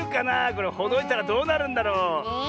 これほどいたらどうなるんだろう。ねえ。